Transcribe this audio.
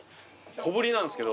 小ぶりなんすけど。